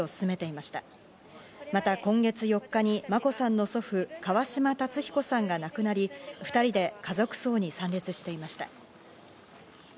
また今月４日に眞子さんの祖父・川嶋辰彦さんが亡くなり、２人で家族葬に参列していました。